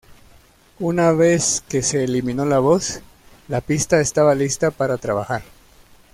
Una vez que se eliminó la voz, la pista estaba lista para trabajar.